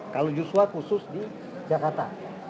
kalau joshua khusus di jakarta